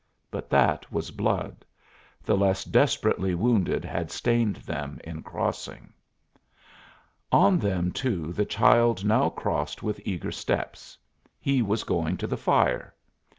But that was blood; the less desperately wounded had stained them in crossing. On them, too, the child now crossed with eager steps; he was going to the fire.